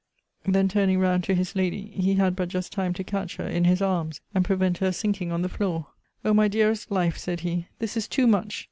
Then, turning round to his lady, he had but just time to catch her in his arms, and prevent her sinking on the floor. O, my dearest Life, said he, this is too much!